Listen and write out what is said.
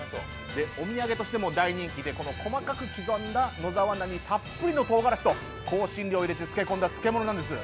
お土産としても大人気でこの細かく刻んだ野沢菜にたっぷりのとうがらしと香辛料を入れて漬け込んだ漬物なんです。